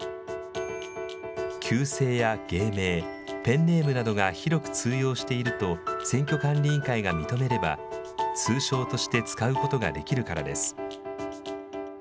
旧姓や芸名、ペンネームなどが広く通用していると選挙管理委員会が認めれば、通称として使うことができるからです。